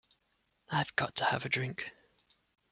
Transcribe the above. I've got to have a drink.